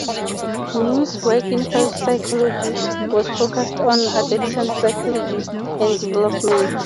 Muuss’ work in psychology was focused on adolescent psychology and development.